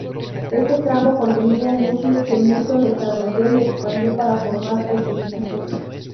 Este tramo contenía el núcleo que Newton desarrolló y expandió para formar el "Principia".